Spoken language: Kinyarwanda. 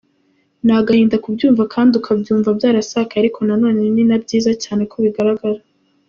Ni agahinda kubyumva kandi ukabyumva byarasakaye ariko nanone ni na byiza cyane ko bigaragara.